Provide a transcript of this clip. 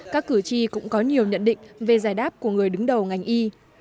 các cử tri cũng có nhiều nhận định về giải đáp của người đứng đầu ngành y